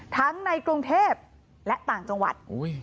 ในกรุงเทพและต่างจังหวัด